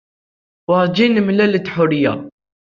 Werjin nemlal-d Ḥuriya.